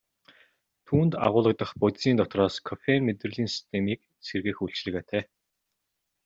Түүнд агуулагдах бодисын дотроос кофеин мэдрэлийн системийг сэргээх үйлчилгээтэй.